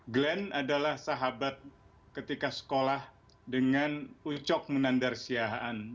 glenn adalah sahabat ketika sekolah dengan ucok menandar siahaan